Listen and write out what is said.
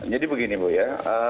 jadi begini bu ya